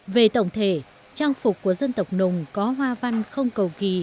về tổng thể trang phục của dân tộc nùng có hoa hoa